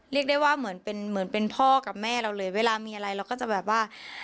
เรียกได้ว่าเหมือนเป็นเหมือนเป็นพ่อกับแม่เราเลยเวลามีอะไรเราก็จะแบบว่า